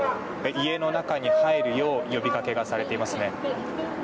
家の中に入るよう呼びかけがされていますね。